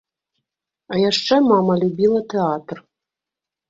А яшчэ мама любіла тэатр.